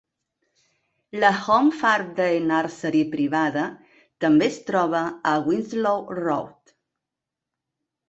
La "Home Farm Day Nursery" privada també es troba a Winslow Road.